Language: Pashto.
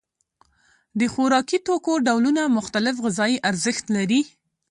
د خوراکي توکو ډولونه مختلف غذایي ارزښت لري.